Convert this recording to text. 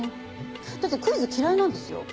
だってクイズ嫌いなんですよ。